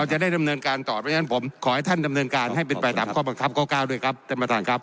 เราจะได้ดำเนินการต่อไปฉะนั้นผมขอให้ท่านดำเนินการให้เป็นแปลตามข้อบังคับ